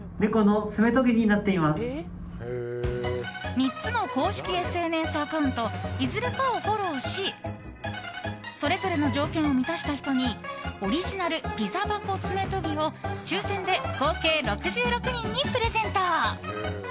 ３つの公式ＳＮＳアカウントいずれかをフォローしそれぞれの条件を満たした人にオリジナルピザ箱爪とぎを抽選で合計６６人にプレゼント。